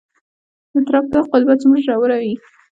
د تراکتور قلبه څومره ژوره وي؟